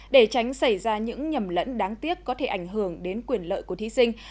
để tránh xảy ra những nhầm lẫn đáng tiếc có thể ảnh hưởng đến quyền lợi của thí sinh